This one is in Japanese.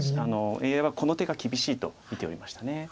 ＡＩはこの手が厳しいと見ておりました。